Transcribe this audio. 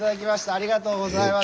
ありがとうございます。